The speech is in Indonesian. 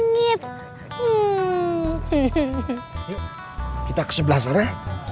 hiu kita ke sebelah sana